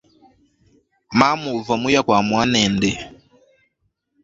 Mamu uva muya kua muanende.